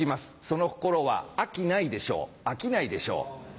その心は秋ないでしょう飽きないでしょう。